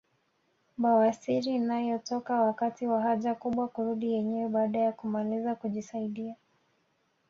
Bawasiri inayotoka wakati wa haja kubwa kurudi yenyewe baada ya kumaliza kujisaidia